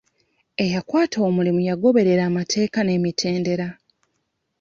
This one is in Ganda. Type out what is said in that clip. Eyakwata omulimu yagoberera amateeka n'emitendera.